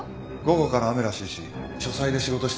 午後から雨らしいし書斎で仕事してるよ